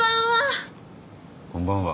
こんばんは！